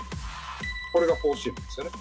これがフォーシームですよね。